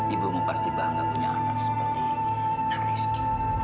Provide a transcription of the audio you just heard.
ibumu pasti bangga punya anak seperti narizky